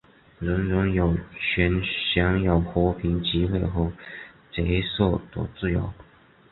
人人有权享有和平集会和结社的自由。